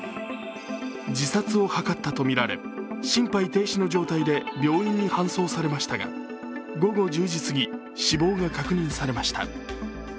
自殺を図ったとみられ、心肺停止の状態で病院に搬送されましたが、午後１０時すぎ死亡が確認されました。